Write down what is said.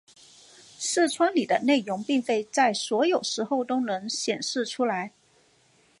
视窗里的内容并非在所有时候都能显示出来。